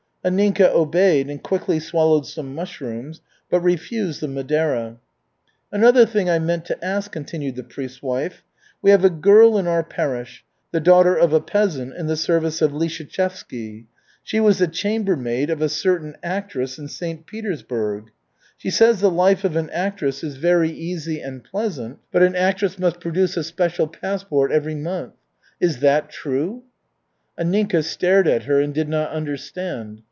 Anninka obeyed and quickly swallowed some mushrooms, but refused the Madeira. "Another thing I meant to ask," continued the priest's wife, "we have a girl in our parish, the daughter of a peasant in the service of Lyshechevsky. She was the chambermaid of a certain actress in St. Petersburg. She says the life of an actress is very easy and pleasant, but an actress must produce a special passport every month. Is that true?" Anninka stared at her and did not understand.